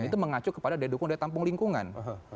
dan itu mengacu kepada daya dukung dari tampung lingkungan